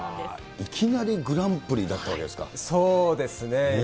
いきなりグランプリだったわそうですね。